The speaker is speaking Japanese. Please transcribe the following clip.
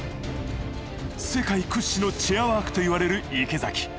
世界屈指のチェアワークといわれる池崎。